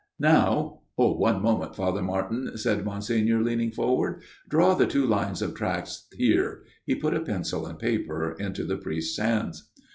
Now "" One moment, Father Martin," said Monsignor leaning forward ;" draw the two lines of tracks here." He put a pencil and paper into the priest's hands.